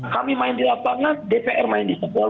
kami main di lapangan dpr main di sekolah